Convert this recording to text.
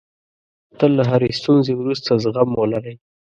تل له هرې ستونزې وروسته زغم ولرئ.